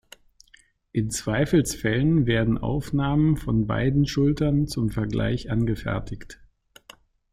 In Zweifelsfällen werden Aufnahmen von beiden Schultern zum Vergleich angefertigt.